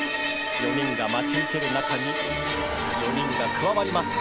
４人が待ち受ける中に４人が加わります。